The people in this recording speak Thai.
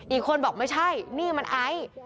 อีกคนบอกไม่ใช่นี่มันไอซ์